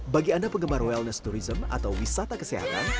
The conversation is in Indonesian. bagi anda penggemar wellness tourism atau wisata kesehatan